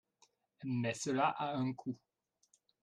Mais cela a un coût.